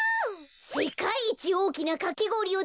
せかいいちおおきなかきごおりをつくろうよ。